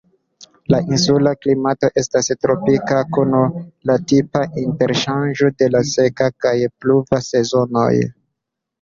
La insula klimato estas tropika, kun la tipa interŝanĝo de seka kaj pluva sezonoj.